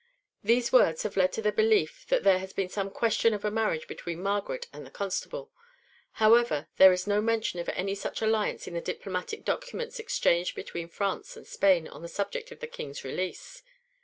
(2) These words have led to the belief that there had been some question of a marriage between Margaret and the Constable; however, there is no mention of any such alliance in the diplomatic documents exchanged between France and Spain on the subject of the King's release.